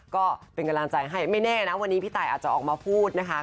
ก็เป็นกำลังใจให้ไม่แน่นะวันนี้พี่ตายอาจจะออกมาพูดนะคะ